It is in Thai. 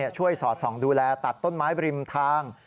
สอดส่องดูแลตัดต้นไม้บริมทาง